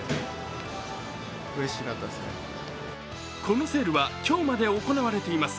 このセールは今日まで行われています。